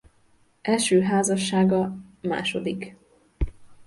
Első házassága ll.